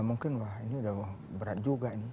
mungkin wah ini udah berat juga nih